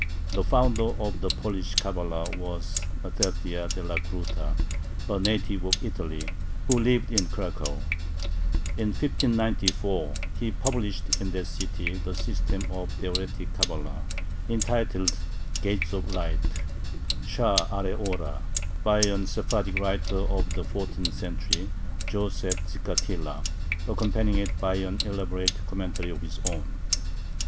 The founder of the Polish Cabala was Mattathiah Delacruta, a native of Italy, who lived in Cracow. In 1594 he published in that city the system of Theoretic Cabala, entitled "Gates of Light" (Sha`are Ora), by a Sephardic writer of the fourteenth century, Joseph Gicatilla, accompanying it by an elaborate commentary of his own.